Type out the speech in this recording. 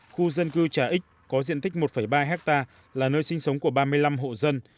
khu dân cư trà ích có diện tích một ba hectare là nơi sinh sống của ba mươi năm hộ dân